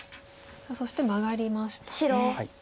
そしてマガりましたね。